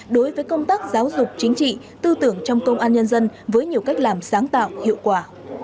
đối với công tác giáo dục chính trị tư tưởng trong công an nhân dân với nhiều cách làm sáng tạo hiệu quả